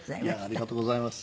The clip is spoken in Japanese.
ありがとうございます。